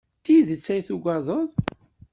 D tidet ay tuggaded?